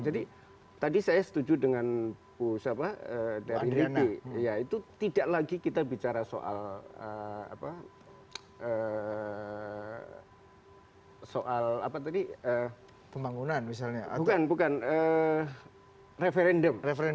jadi tadi saya setuju dengan bu riti itu tidak lagi kita bicara soal referendum